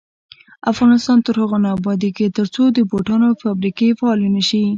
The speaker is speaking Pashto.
افغانستان تر هغو نه ابادیږي، ترڅو د بوټانو فابریکې فعالې نشي.